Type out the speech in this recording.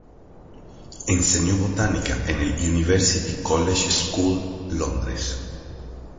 Enseñó botánica en el University College School, Londres.